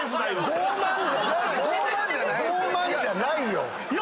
ごう慢じゃないよ！